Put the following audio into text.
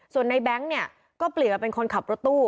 ส่วนในแบงค์เนี่ยก็เปลี่ยนมาเป็นคนขับรถตู้